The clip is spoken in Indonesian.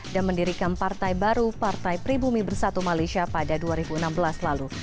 dan mendirikan partai baru partai peribumi bersatu malaysia pada dua ribu enam belas lalu